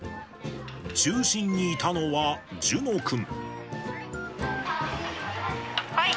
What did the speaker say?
中心にいたのは諄之君。